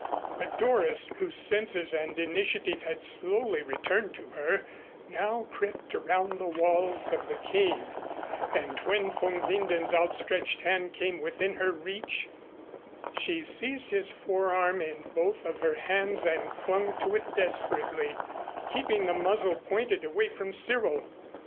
But Doris, whose senses and initiative had slowly returned to her, now crept around the walls of the cave and when von Winden's outstretched hand came within her reach she seized his forearm in both of her hands and clung to it desperately, keeping the muzzle pointed away from Cyril.